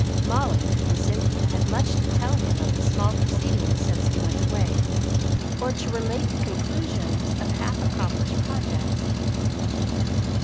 Molly and Cynthia had much to tell him of the small proceedings since he went away, or to relate the conclusions of half accomplished projects.